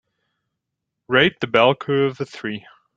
Rate The Bell Curve a three.